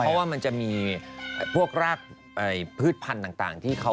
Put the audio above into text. เพราะว่ามันจะมีพวกรากพืชพันธุ์ต่างที่เขา